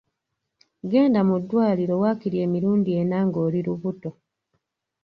Genda mu ddwaliro waakiri emirundi ena ng’oli lubuto.